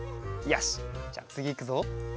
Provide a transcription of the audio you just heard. よしじゃつぎいくぞ。